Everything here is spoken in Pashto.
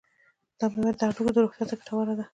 دا میوه د هډوکو روغتیا ته ګټوره ده.